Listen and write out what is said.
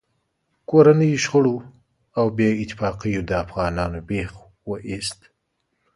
کورنیو شخړو او بې اتفاقیو د افغانانو بېخ و ایست.